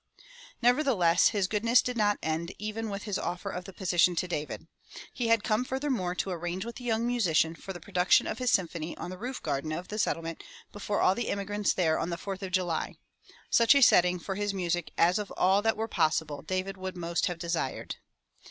Nevertheless his goodness did not end even with his offer of the position to David. He had come furthermore to arrange with the young musician for the production of his symphony on the roof garden of the Settlement before all the immigrants there on the Fourth of July, — such a setting for his music as of all that were possible, David would most have desired.